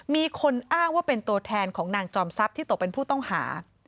มีคนอ้างว่าเป็นตัวแทนของนางจอมทรัพย์ที่ตกเป็นผู้ต้องหา